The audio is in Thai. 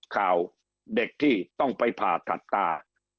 ข่าวเด็กที่ต้องไปผ่าตัดตา